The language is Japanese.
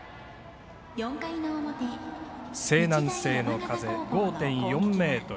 西南西の風５．４メートル。